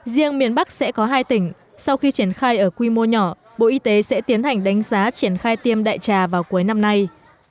riêng miền bắc sẽ có hai tỉnh sau khi triển khai ở quy mô nhỏ bộ y tế sẽ tiến hành đánh giá triển khai tiêm đại trà vào cuối năm nay